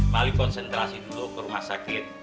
mari konsentrasi dulu ke rumah sakit